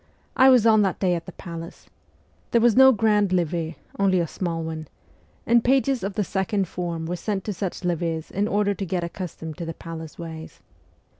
I was on that day at the palace. There was no grand levee, only a small one ; and pages of the second form were sent to such levees in order to get accustomed to the palace ways.